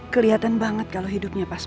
kelihatan banget kalau hidupnya pas